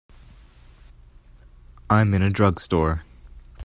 I'm in a drugstore.